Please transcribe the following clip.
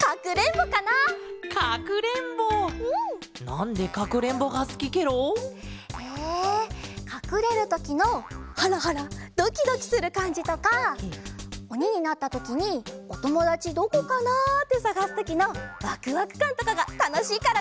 なんでかくれんぼがすきケロ？えかくれるときのハラハラドキドキするかんじとかおにになったときに「おともだちどこかな？」ってさがすときのワクワクかんとかがたのしいからかな。